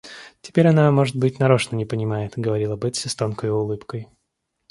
Теперь она, может быть, нарочно не понимает, — говорила Бетси с тонкою улыбкой.